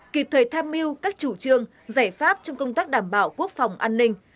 kịp thời tham mưu các chủ trương giải pháp trong công tác đảm bảo quốc phòng an ninh